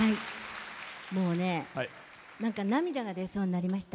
もうね涙が出そうになりました。